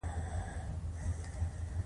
پاچایانو ته پرله پسې مېلمستیاوې ضروري وې.